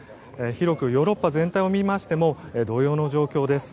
広くヨーロッパ全体を見ましても同様の状況です。